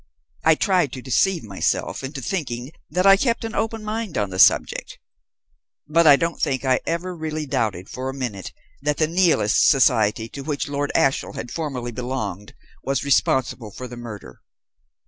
I tried to deceive myself into thinking that I kept an open mind on the subject; but I don't think I ever really doubted for a minute that the Nihilist society to which Lord Ashiel had formerly belonged was responsible for the murder.